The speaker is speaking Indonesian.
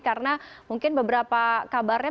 karena mungkin beberapa kabarnya